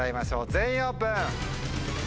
全員オープン。